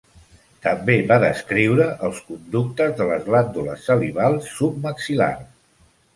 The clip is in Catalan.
També va descriure els conductes de les glàndules salivals submaxil·lars.